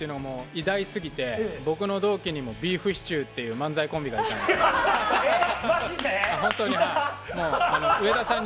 くりぃむしちゅーが偉大すぎて僕の同期にもビーフシチューていう漫才コンビがいたんです、本当に。